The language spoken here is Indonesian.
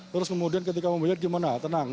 terus kemudian ketika membayar gimana tenang